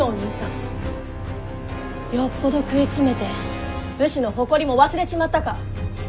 よっぽど食い詰めて武士の誇りも忘れちまったか。